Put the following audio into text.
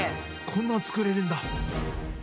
こんなの作れるんだ。